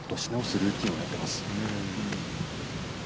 ルーティーンをやっています。